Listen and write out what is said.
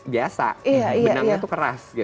biasa benangnya tuh keras